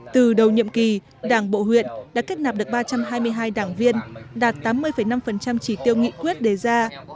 từ đầu nhiệm kỳ đảng bộ huyện đã kết nạp được ba trăm hai mươi hai đảng viên đạt tám mươi năm trí tiêu nghị quyết đề ra